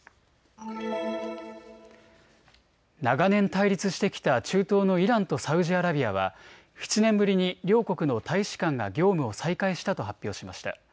長年対立してきた中東のイランとサウジアラビアは７年ぶりに両国の大使館が業務を再開したと発表しました。